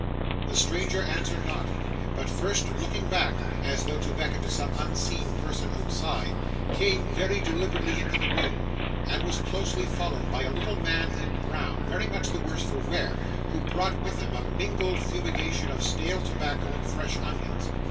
The stranger answered not; but, first looking back, as though to beckon to some unseen person outside, came, very deliberately, into the room, and was closely followed by a little man in brown, very much the worse for wear, who brought with him a mingled fumigation of stale tobacco and fresh onions.